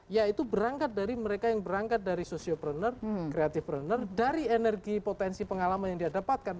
yaitu mereka yang berangkat dari sosiopreneur kreatifpreneur dari energi potensi pengalaman yang diadapatkan